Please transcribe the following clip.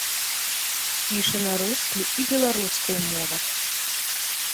Піша на рускай і беларускай мовах.